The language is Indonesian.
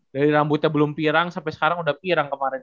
dari rambutnya belum pirang sampai sekarang udah pirang kemarin